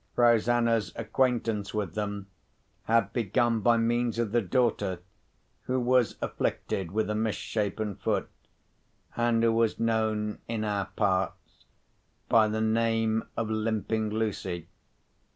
Rosanna's acquaintance with them had begun by means of the daughter, who was afflicted with a misshapen foot, and who was known in our parts by the name of Limping Lucy.